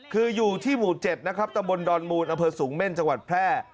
คืออยู่ที่หมู่๗นะครับตะบนดอนมูลอำเภอสูงเม่นจังหวัดแพร่